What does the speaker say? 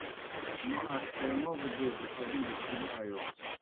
موْ اݜٹَیمَوگوْ دیزہ ادِیڑ پھری آیوس۔